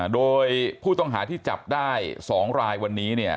โดยผู้ต้องหาที่จับได้๒รายวันนี้เนี่ย